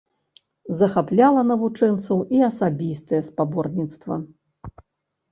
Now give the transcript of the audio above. Захапляла навучэнцаў і асабістае спаборніцтва.